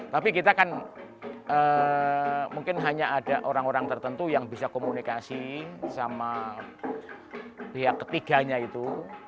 tapi kita kan mungkin hanya ada orang orang tertentu yang bisa komunikasi sama pihak ketiganya itu